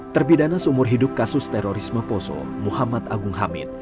terpidana seumur hidup kasus terorisme poso muhammad agung hamid